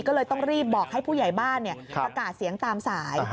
ก็เลยต้องรีบบอกให้ผู้ใหญ่บ้านประกาศเสียงตามสาย